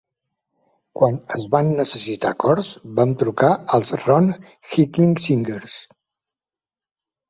Quan es van necessitar cors, vam trucar els Ron Hicklin Singers.